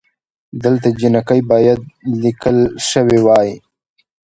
دلته جینکۍ بايد ليکل شوې وئ